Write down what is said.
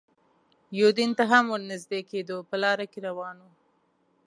یوډین ته هم ور نږدې کېدو، په لاره کې روان و.